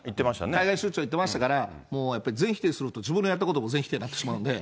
海外出張行ってましたから、もうやっぱり全否定すると、自分のやってることも全否定になってしまうので。